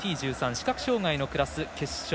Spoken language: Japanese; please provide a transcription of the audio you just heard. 視覚障がいのクラス決勝。